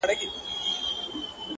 • چي نااهله واكداران چيري پيدا سي -